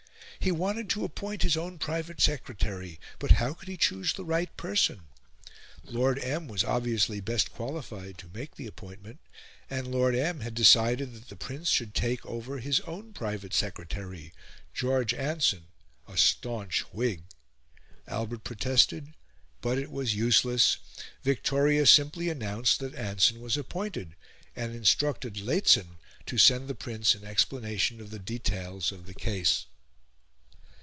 He wanted to appoint his own Private Secretary. But how could he choose the right person? Lord M. was obviously best qualified to make the appointment; and Lord M. had decided that the Prince should take over his own Private Secretary George Anson, a staunch Whig. Albert protested, but it was useless; Victoria simply announced that Anson was appointed, and instructed Lehzen to send the Prince an explanation of the details of the case.